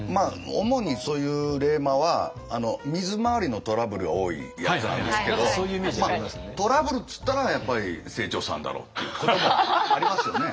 主にそういう冷マは水回りのトラブルが多いやつなんですけどトラブルっていったらやっぱり清張さんだろうっていうこともありますよね。